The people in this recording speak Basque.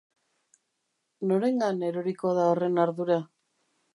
Norengan eroriko da horren ardura?